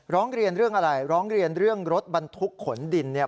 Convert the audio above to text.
ร้องเรียนเรื่องอะไรร้องเรียนเรื่องรถบรรทุกขนดินเนี่ย